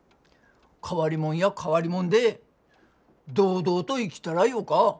変わりもんや変わりもんで堂々と生きたらよか。